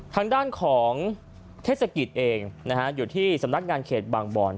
ทางด้านของเทศกิจเองอยู่ที่สำนักงานเขตบางบอน